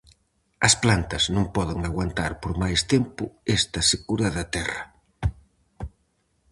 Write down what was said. As plantas non poden aguantar por máis tempo esta secura da terra.